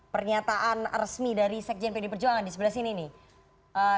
pernyataan resmi dari sekjen pd perjuangan di sebelah sini nih